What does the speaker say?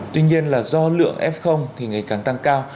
tuy nhiên là do lượng f thì ngày càng tăng cao